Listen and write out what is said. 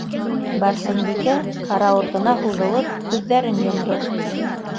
Барсынбикә, карауатына һуҙылып, күҙҙәрен йомдо.